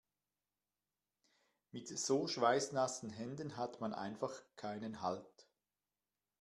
Mit so schweißnassen Händen hat man einfach keinen Halt.